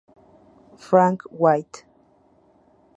Frank White.